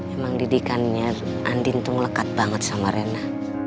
emang didikannya andin tuh melekat banget sama rena